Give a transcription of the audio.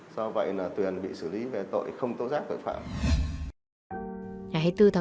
do vậy là tuyền bị xử lý về tội không tố giác tội phạm